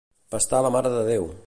Pastar la Mare de Déu.